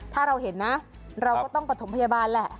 ถ้าเราเห็นนะเราก็ต้องประถมพยาบาลแหละ